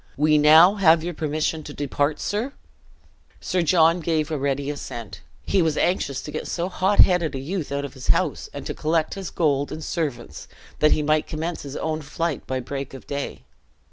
"We now have your permission to depart, sir?" Sir John gave a ready assent; he was anxious to get so hot headed a youth out of his house, and to collect his gold and servants, that he might commence his own flight by break of day.